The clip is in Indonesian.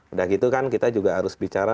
udah gitu kan kita juga harus bicara